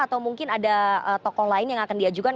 atau mungkin ada tokoh lain yang akan diajukan